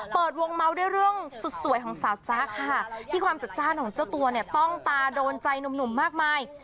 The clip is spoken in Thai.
เปิดวงเมาส์ด้วยเรื่องสุดสวยของสาวจ๊ะค่ะที่ความจัดจ้านของเจ้าตัวเนี่ยต้องตาโดนใจหนุ่มมากมาย